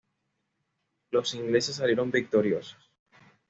Los ingleses salieron victoriosos.